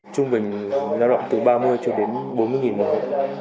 trung bình là đoạn từ ba mươi cho đến bốn mươi nghìn đồng một hộp